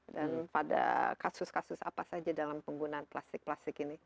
dan pada kasus kasus apa saja dalam penggunaan plastik plastik ini